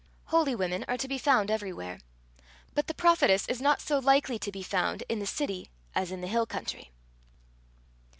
Holy women are to be found everywhere, but the prophetess is not so likely to be found in the city as in the hill country.